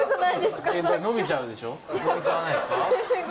伸びちゃわないですか？